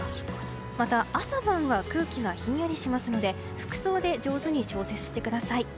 また、朝晩は空気がひんやりしますので服装で上手に調節してください。